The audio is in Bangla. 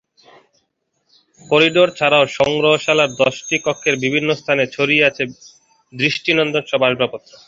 করিডোর ছাড়াও সংগ্রহশালার দশটি কক্ষের বিভিন্ন স্থানে ছড়িয়ে আছে দৃষ্টি নন্দন সব আসবাবপত্র।